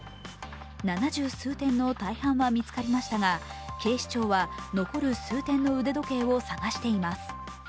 七十数点の大半は見つかりましたが警視庁は残る数点の腕時計を探しています。